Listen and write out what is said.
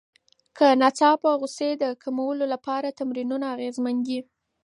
د ناڅاپه غوسې د کمولو لپاره تمرینونه اغېزمن دي.